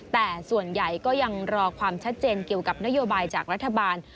แต่ส่วนใหญ่ก็ยังรอความชัดเจนเกี่ยวกับนโยบายจากรัฐบาล